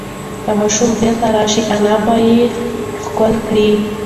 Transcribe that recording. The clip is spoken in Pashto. که ماشوم بیرته راشي، انا به یې ښکل کړي.